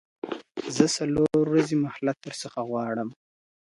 زه څلور ورځي مهلت درڅخه غواړم.